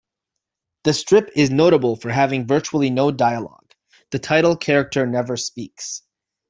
The strip is notable for having virtually no dialogue; the title character never speaks.